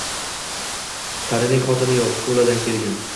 Tanining xotini oq, to`ladan kelgan